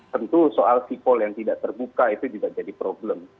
tentu soal sipol yang tidak terbuka itu juga jadi problem